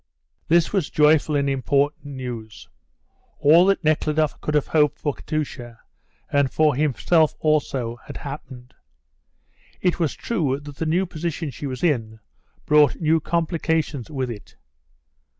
This was joyful and important news; all that Nekhludoff could have hoped for Katusha, and for himself also, had happened. It was true that the new position she was in brought new complications with it.